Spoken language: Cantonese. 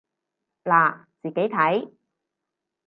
嗱，自己睇